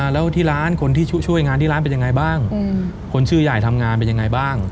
แล้วที่ร้านคนที่ช่วยงานที่ร้านเป็นยังไงบ้างคนชื่อใหญ่ทำงานเป็นยังไงบ้าง